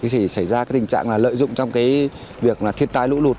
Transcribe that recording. xảy ra tình trạng lợi dụng trong việc thiết tai lũ lụt